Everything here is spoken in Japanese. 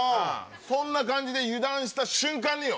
そんな感じで油断した瞬間によ。